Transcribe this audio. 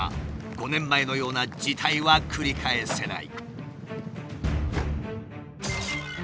５年前のような事態は繰り返せない。